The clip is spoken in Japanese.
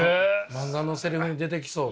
漫画のセリフに出てきそうな。